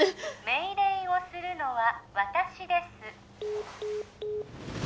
命令をするのは私です